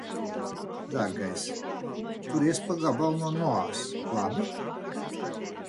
Dārgais, turies pa gabalu no Noas, labi?